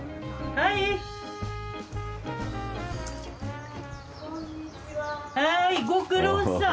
はいご苦労さん。